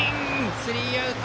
スリーアウト。